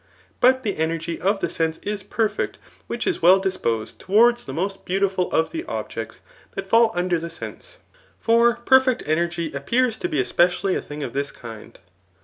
' But the energy of the sense is perfect which is well de posed towards the most beautiful of the objects that fall under that sense j for perfect energy appears to be espe cially a thing of this kind.